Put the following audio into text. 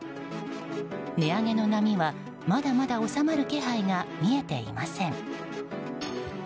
値上げの波はまだまだ収まる気配が見えていません。